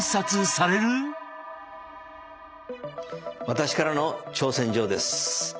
私からの挑戦状です。